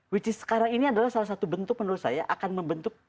which is sekarang ini adalah salah satu bentuk menurut saya akan membentuk